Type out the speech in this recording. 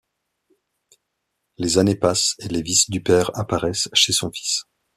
Les années passent et les vices du père apparaissent chez son fils.